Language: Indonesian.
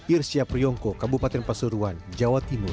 irsyapriyongko kabupaten pasiruan jawa timur